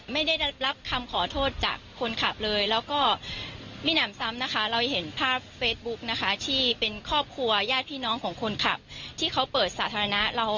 ไม่ได้รับคำขอโทษจากคนขับเลยแล้วก็มีหนำซ้ำนะคะเราเห็นภาพเฟซบุ๊กนะคะที่เป็นครอบครัวญาติพี่น้องของคนขับที่เขาเปิดสาธารณะ